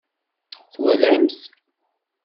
Twalamt-t?